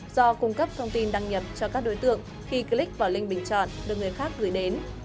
do cung cấp thông tin đăng nhập cho các đối tượng khi click vào link bình chọn được người khác gửi đến